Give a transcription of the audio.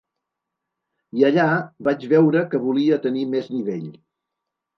I allà vaig veure que volia tenir més nivell.